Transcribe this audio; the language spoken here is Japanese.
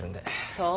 そう。